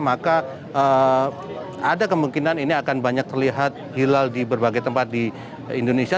maka ada kemungkinan ini akan banyak terlihat hilal di berbagai tempat di indonesia